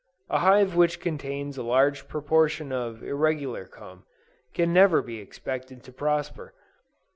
A hive which contains a large proportion of irregular comb, can never be expected to prosper.